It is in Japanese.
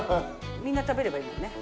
みんな食べればいいもんね。